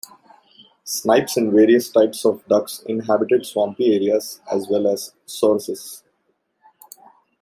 Snipes and various types of ducks inhabited swampy areas, as well as soruses.